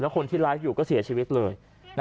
คนที่ไลฟ์อยู่ก็เสียชีวิตเลย